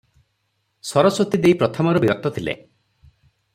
ସରସ୍ୱତୀ ଦେଈ ପ୍ରଥମରୁ ବିରକ୍ତ ଥିଲେ ।